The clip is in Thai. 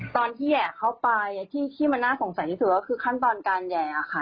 แห่เข้าไปที่มันน่าสงสัยที่สุดก็คือขั้นตอนการแห่ค่ะ